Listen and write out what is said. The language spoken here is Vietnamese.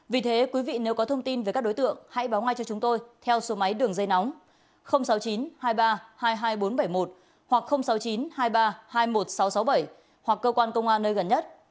vì thế quý vị nếu có thông tin về các đối tượng hãy báo ngay cho chúng tôi theo số máy đường dây nóng sáu mươi chín hai mươi ba hai mươi hai nghìn bốn trăm bảy mươi một hoặc sáu mươi chín hai mươi ba hai mươi một nghìn sáu trăm sáu mươi bảy hoặc cơ quan công an nơi gần nhất